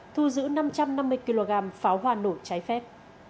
thu giữ năm trăm năm mươi kg pháo hoa nổ trái phép